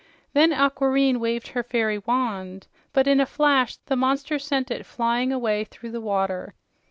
Then Aquareine waved her fairy wand, but in a flash the monster sent it flying away through the water.